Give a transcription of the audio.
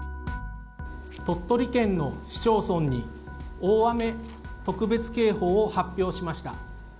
鳥取県の市町村に大雨特別警報を発表しました。